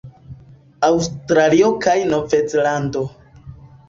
Aŭstralio kaj Novzelando